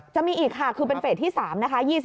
จะมีอีกค่ะคือเป็นเฟสที่๓นะคะ